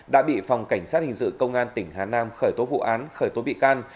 đã bị phòng cảnh sát hình sự công an tỉnh hà nam khởi tố vụ án khởi tố bị can